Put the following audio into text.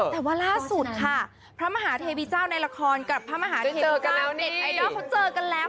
แต่ว่าล่าสุดค่ะพระมหาเทวีเจ้าในละครกับพระมหาเทวีการเน็ตไอดอลเขาเจอกันแล้ว